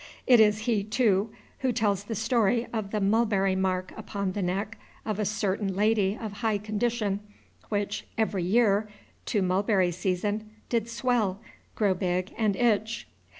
It is he, too, who tells the story of the mulberry mark upon the neck of a certain lady of high condition, which "every year, to mulberry season, did swell, grow big, and itch."